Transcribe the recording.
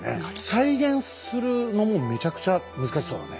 再現するのもめちゃくちゃ難しそうだね。